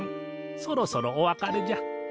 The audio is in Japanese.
そろそろお別れじゃ。